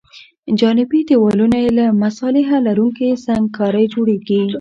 جانبي دیوالونه یې له مصالحه لرونکې سنګ کارۍ جوړیږي